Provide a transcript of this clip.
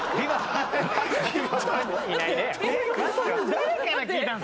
誰から聞いたの？